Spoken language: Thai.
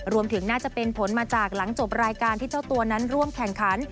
รวมถึงน่าจะเป็นผลมาจากหลังจบรายการที่เจ้าตัวนั้นร่วมแข่งขัน